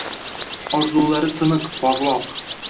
Orzulari tiniq, porloq